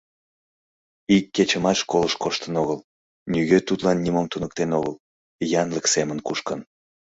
Ик кечымат школыш коштын огыл, нигӧ тудлан нимом туныктен огыл, янлык семын кушкын.